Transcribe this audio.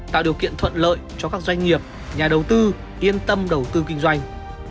tạo điều kiện thuận lợi cho các doanh nghiệp nhà đầu tư yên tâm đầu tư kinh doanh